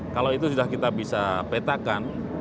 kalau itu sudah kita bisa petakan